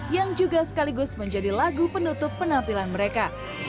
yang juga sekaligus menjadi lagu penutup penampilan mereka